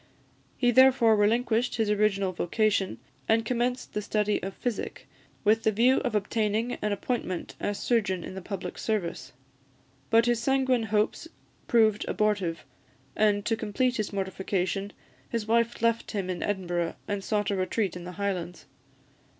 He therefore relinquished his original vocation, and commenced the study of physic, with the view of obtaining an appointment as surgeon in the public service; but his sanguine hopes proved abortive, and, to complete his mortification, his wife left him in Edinburgh, and sought a retreat in the Highlands.